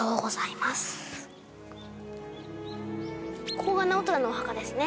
ここが直虎のお墓ですね。